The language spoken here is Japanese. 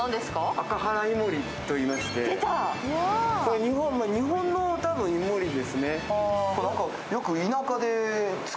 アカハライモリと言いまして日本のイモリですね。